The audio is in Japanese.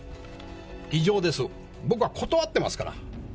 異常です、僕は断ってますから。